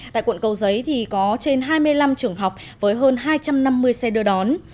tại quận cầu giấy thì có trên hai mươi năm trường học với hơn hai trăm năm mươi xe đưa đón